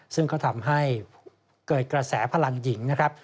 ซึ่งก็ทำให้เกิดกระแสพลังหญิงนะครับ